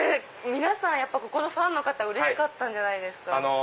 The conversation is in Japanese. やっぱここのファンの方うれしかったんじゃないですか？